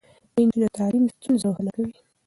د نجونو تعليم ستونزې روښانه کوي.